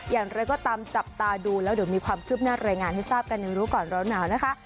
อย่างไรก็ตามจับตาดูแล้วเดี๋ยวมีความคืบหน้ารายงานให้ทราบกันในรู้ก่อนร้อนหนาวนะคะ